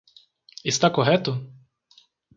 Está correto?